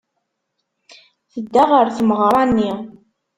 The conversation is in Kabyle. Tedda ɣer tmeɣra-nni.